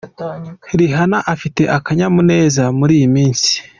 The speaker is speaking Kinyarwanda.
Rihanna afite akanyamuneza muri iyi minsi.